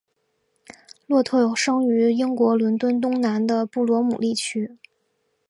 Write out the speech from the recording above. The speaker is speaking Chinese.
洛特生于英国伦敦东南的布罗姆利区。